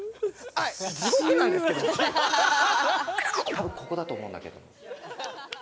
多分ここだと思うんだけど。